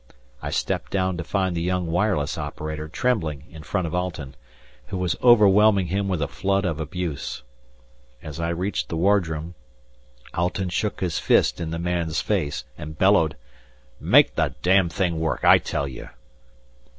I stepped down to find the young wireless operator trembling in front of Alten, who was overwhelming him with a flood of abuse. As I reached the wardroom, Alten shook his fist in the man's face and bellowed: "Make the d thing work, I tell you."